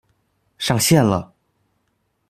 上線了！